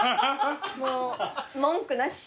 もう文句なし。